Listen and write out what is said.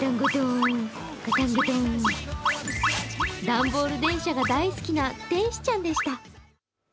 段ボール電車が大好きな天使ちゃんでした。